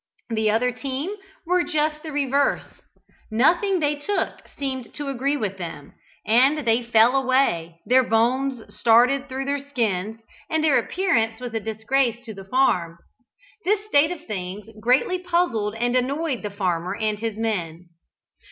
The other team were just the reverse. Nothing they took seemed to agree with them, they fell away, their bones started through their skins, and their appearance was a disgrace to the farm. This state of things greatly puzzled and annoyed the farmer and his men.